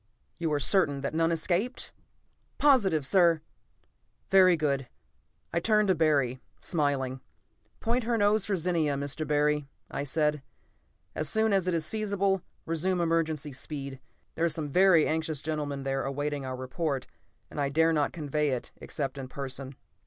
"You are certain that none escaped?" "Positive, sir." "Very good." I turned to Barry, smiling. "Point her nose for Zenia, Mr. Barry," I said. "As soon as it is feasible, resume emergency speed. There are some very anxious gentlemen there awaiting our report, and I dare not convey it except in person."